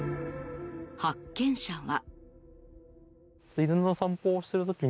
発見者は。